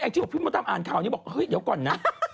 จริงบอกพี่มดดำอ่านข่าวนี้บอกเฮ้ยเดี๋ยวก่อนนะ